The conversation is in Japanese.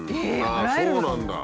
ああそうなんだ。